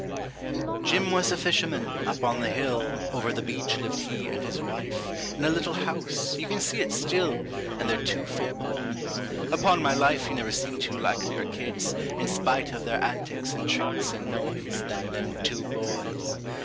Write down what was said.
Jim was a fisherman, up on the hill, Over the beach lived he and his wife, In a little house you can see it still An' their two fair boys; upon my life You never seen two likelier kids, In spite of their antics an' tricks an' noise, Than them two boys!